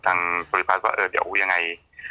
สมมุติว่าเนี่ยอุอยังไง